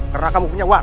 karena kamu punya uang